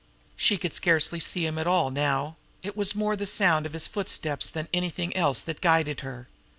She could scarcely see him at all now; it was more the sound of his footsteps than anything else that guided her.